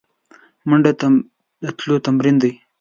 منډه د تلو تمرین دی